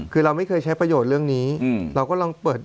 คือเราไม่เคยใช้ประโยชน์เรื่องนี้เราก็ลองเปิด